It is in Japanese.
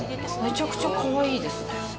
めちゃくちゃかわいいですね。